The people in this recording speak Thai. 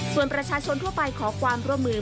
ส่วนประชาชนทั่วไปขอความร่วมมือ